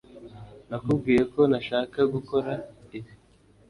nakubwiye ko ntashaka gukora ibi